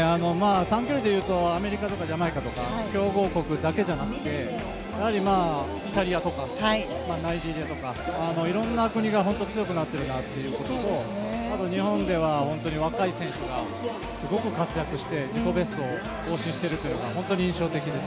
単距離でいうとアメリカとかジャマイカとか強豪国だけじゃなくてやはり、イタリアとかナイジェリアとかいろんな国が強くなってるなということとあと、日本では若い選手がすごく活躍して自己ベストを更新しているというのが本当に印象的です。